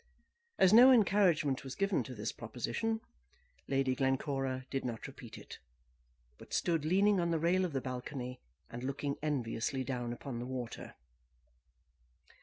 As no encouragement was given to this proposition, Lady Glencora did not repeat it; but stood leaning on the rail of the balcony, and looking enviously down upon the water.